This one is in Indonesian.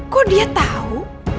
kok dia tahu